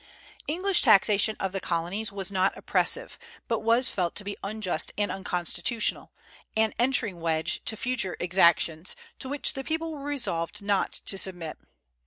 English taxation of the Colonies was not oppressive, but was felt to be unjust and unconstitutional, an entering wedge to future exactions, to which the people were resolved not to submit.